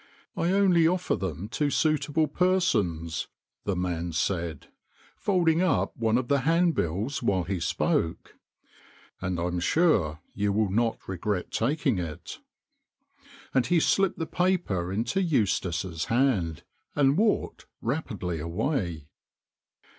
" I only offer them to suitable persons," the man said, folding up one of the handbills while he spoke, "and I'm sure you will not regret taking it," and he slipped the paper into Eustace's hand and walked rapidly away.